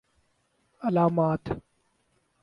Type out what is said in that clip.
علامات